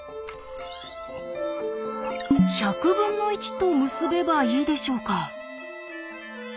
１００分の１と結べばいいでしょうか？